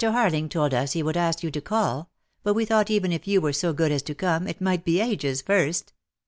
Harling told us he would ask you to call — but we thought even if you were so good as to come, it might be ages first."